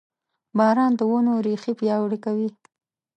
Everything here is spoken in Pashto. • باران د ونو ریښې پیاوړې کوي.